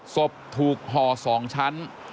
ศพถูกห่อ๒ชั้น